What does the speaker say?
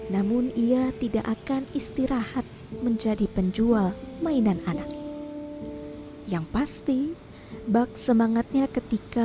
namun ia tidak akan istirahat menjadi penjual mainan anak yang pasti bak semangatnya ketika